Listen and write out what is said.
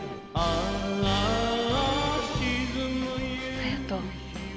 隼人。